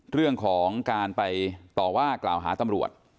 เรื่องของการไปต่อว่ากล่าวหาตำรวจ